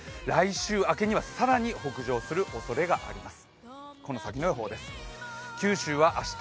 週明けには更に北上するおそれがあります。